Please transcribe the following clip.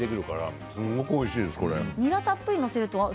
すごくおいしいです。